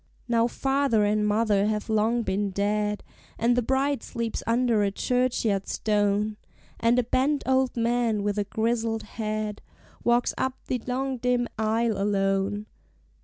Now father and mother have long been dead, And the bride sleeps under a churchyard stone, And a bent old man with a grizzled head Walks up the long dim aisle alone.